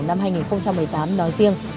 năm hai nghìn một mươi tám nói riêng